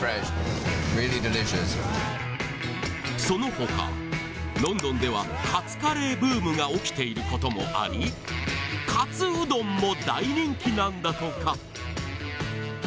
そのほかロンドンではカツカレーブームが起きていることもありカツうどんも大人気なんだとか